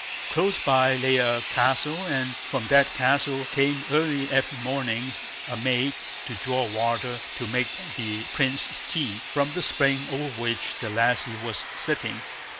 Close by lay a castle, and from that castle came early every morning a maid to draw water to make the Prince's tea, from the spring over which the lassie was sitting.